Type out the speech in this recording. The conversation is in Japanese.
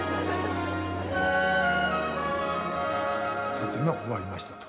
撮影が終わりましたと。